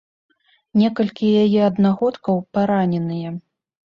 Некалькі яе аднагодкаў параненыя.